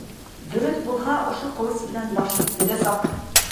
Дөрөҫ булһа, ошо ҡылыс менән башын өҙә сап!